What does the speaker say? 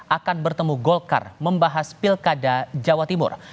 akan bertemu golkar membahas pilkada jawa timur